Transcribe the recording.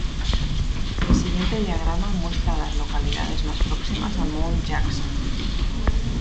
El siguiente diagrama muestra a las localidades más próximas a Mount Jackson.